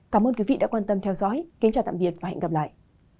cảm ơn quý vị đã quan tâm theo dõi kính chào tạm biệt và hẹn gặp lại